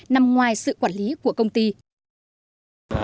nằm ngoài sự quản lý của công ty